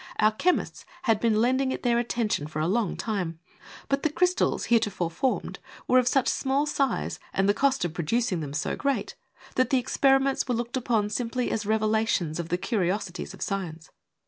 Our chemists had been lending it their attention for a long time, but the crystals heretofore formed were of such small size and the cost of producing them so great that the experiments were looked upon simply as revelations of the curiosities of science.